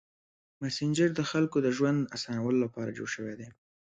مسېنجر د خلکو د ژوند اسانولو لپاره جوړ شوی دی.